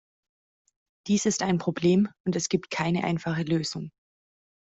Dies ist ein Problem, und es gibt keine einfache Lösung.